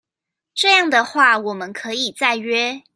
這樣的話我們可以再約